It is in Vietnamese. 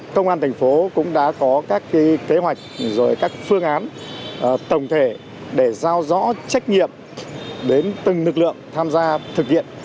công an thành phố cũng đã có các kế hoạch rồi các phương án tổng thể để giao rõ trách nhiệm đến từng lực lượng tham gia thực hiện